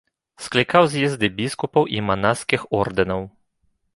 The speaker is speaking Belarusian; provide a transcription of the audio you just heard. Склікаў з'езды біскупаў і манаскіх ордэнаў.